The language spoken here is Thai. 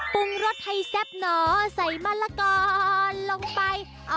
ปรุงรสให้แซ่บหนอใส่มะละกอลงไป